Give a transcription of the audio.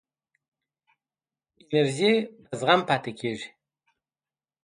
انرژی په زغم پاتې کېږي.